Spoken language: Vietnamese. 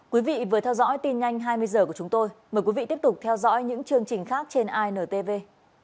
cảm ơn các bạn đã theo dõi và hẹn gặp lại